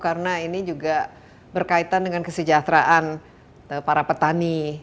karena ini juga berkaitan dengan kesejahteraan para petani